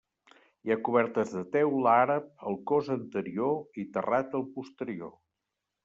Hi ha cobertes de teula àrab al cos anterior i terrat al posterior.